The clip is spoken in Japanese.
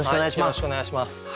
よろしくお願いします。